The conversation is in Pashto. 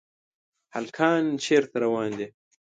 هلکان چېرته روان دي ؟